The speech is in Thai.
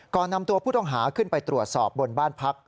ก่อนนำตัวผู้ต้องหาขึ้นไปตรวจสอบบนบ้านพัก